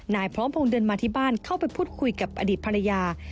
พร้อมพงศ์เดินมาที่บ้านเข้าไปพูดคุยกับอดีตภรรยา